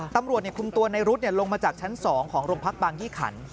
ตำรวจคุมตัวในรุ๊ดลงมาจากชั้น๒ของโรงพักบางยี่ขัน